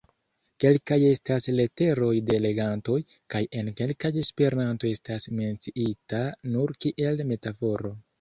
Kelkaj estas leteroj de legantoj, kaj en kelkaj Esperanto estas menciita nur kiel metaforo.